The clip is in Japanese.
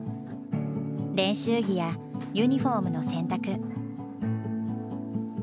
練習着やユニフォームの洗濯。